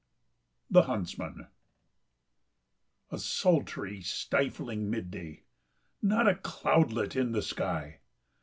THE HUNTSMAN A SULTRY, stifling midday. Not a cloudlet in the sky....